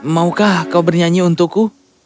maukah kau bernyanyi untukku